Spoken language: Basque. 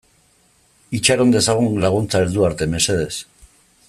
Itxaron dezagun laguntza heldu arte, mesedez.